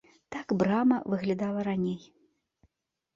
Так брама выглядала раней.